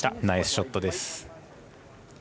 ナイスショットです。